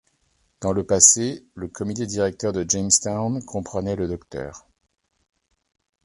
Dans le passé, le comité directeur de Jamestown comprenait le Dr.